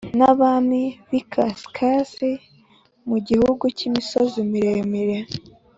n abami b ikasikazi mu gihugu cy imisozi miremire